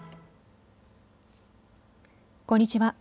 こんにちは。